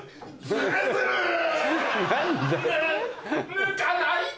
抜かないで！